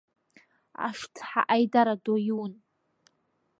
Ашцҳа аидара ду аиун…